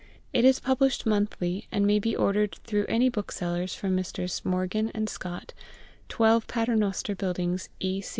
It is published monthly, and may be ordered through any bookseller from Messrs. Morgan and Scott, 12 Paternoster Buildings, E.